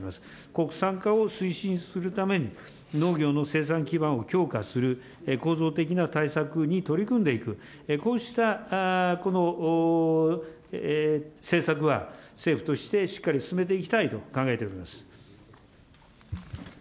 国産化を推進するために、農業の生産基盤を強化する、構造的な対策に取り組んでいく、こうしたこの政策は、政府としてしっかり進めていきたいと考えております。